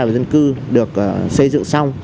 và dân cư được xây dựng xong